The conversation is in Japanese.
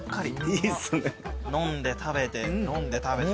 飲んで食べて飲んで食べて。